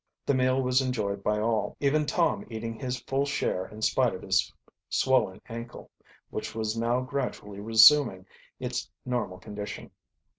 The meal was enjoyed by all, even Tom eating his full share in spite of his swollen ankle, which was now gradually resuming its normal condition.